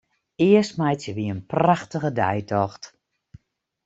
Earst meitsje wy in prachtige deitocht.